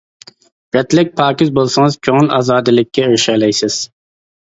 رەتلىك، پاكىز بولسىڭىز، كۆڭۈل ئازادىلىككە ئېرىشەلەيسىز.